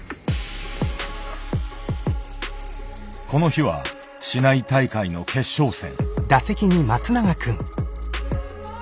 この日は市内大会の決勝戦。